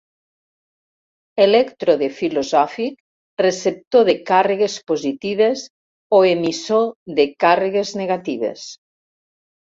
Elèctrode filosòfic receptor de càrregues positives o emissor de càrregues negatives.